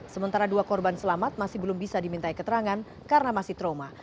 sementara dua korban selamat masih belum bisa diminta keterangan karena masih trauma